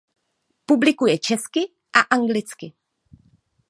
Publikuje česky a anglicky.